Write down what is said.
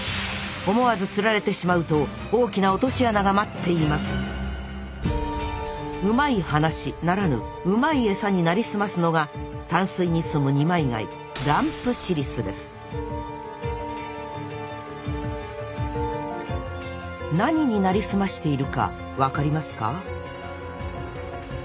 思わず釣られてしまうと大きな落とし穴が待っていますうまい話ならぬ「うまいエサ」になりすますのが淡水に住む二枚貝何になりすましているか分かりますか？